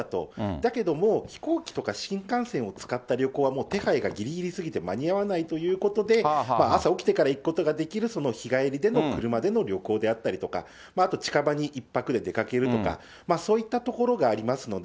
だけど、もう飛行機とか新幹線を使った旅行は、手配がぎりぎりすぎて間に合わないということで、朝起きてから行くことができる、日帰りでの車での旅行であったりとか、あと、近場に１泊で出かけるとか、そういったところがありますので。